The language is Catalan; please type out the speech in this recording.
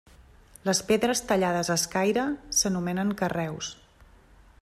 Les pedres tallades a escaire s'anomenen carreus.